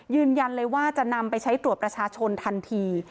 ยืนยันเลยว่าจะนำไปใช้ตรวจประชาชนทันที